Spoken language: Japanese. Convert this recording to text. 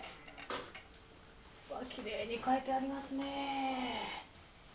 わあきれいに書いてありますね。